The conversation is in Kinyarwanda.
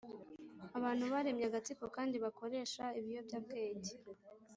Abantu baremye agatsiko kandi bakoresha ibiyobyabwenge